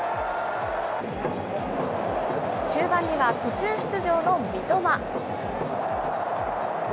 終盤には途中出場の三笘。